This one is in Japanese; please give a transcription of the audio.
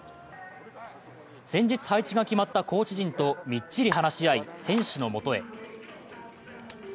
先日、配置が決まったコーチ陣とみっちり話し合い、選手のもとへ。